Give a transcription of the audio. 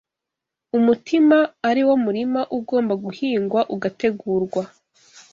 Umutima, ari wo murima, ugomba guhingwa ugategurwa